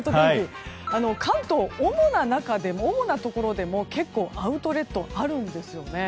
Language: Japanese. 関東、主なところでも結構アウトレットあるんですよね。